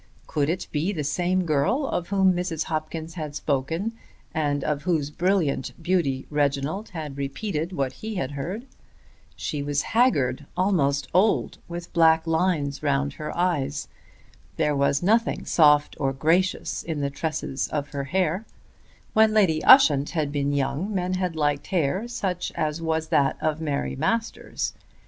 Could it be the same girl of whom Mrs. Hopkins had spoken and of whose brilliant beauty Reginald had repeated what he had heard? She was haggard, almost old, with black lines round her eyes. There was nothing soft or gracious in the tresses of her hair. When Lady Ushant had been young men had liked hair such as was that of Mary Masters.